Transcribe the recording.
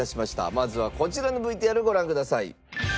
まずはこちらのＶＴＲご覧ください。